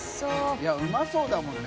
いうまそうだもんね。